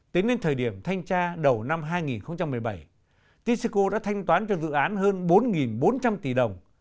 tính đến thời điểm thanh tra đầu năm hai nghìn một mươi bảy tisco đã thanh toán cho dự án hơn bốn bốn trăm linh tỷ đồng